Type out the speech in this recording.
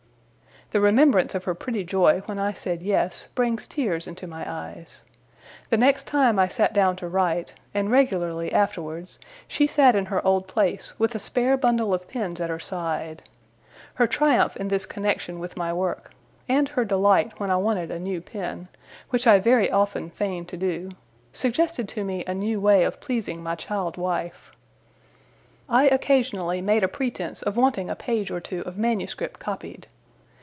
The remembrance of her pretty joy when I said yes, brings tears into my eyes. The next time I sat down to write, and regularly afterwards, she sat in her old place, with a spare bundle of pens at her side. Her triumph in this connexion with my work, and her delight when I wanted a new pen which I very often feigned to do suggested to me a new way of pleasing my child wife. I occasionally made a pretence of wanting a page or two of manuscript copied.